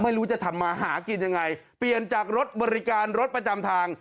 ไม่รู้จะทำมาหากินยังไงเปลี่ยนจากรถบริการรถประจำทาง